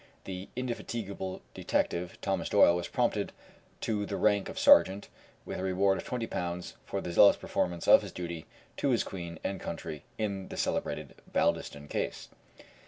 The indefatigable detective Thomas Doyle was promoted to the rank of sergeant, with a reward of twenty pounds for the zealous performance of his duty to his Queen and country in the celebrated Baldiston case.